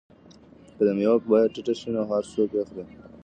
که د مېوو بیه ټیټه شي نو هر څوک یې اخلي.